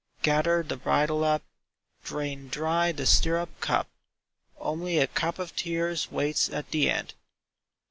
Gather the bridle up, Drain dry the stirrup cup, Only a cup of tears waits at the end."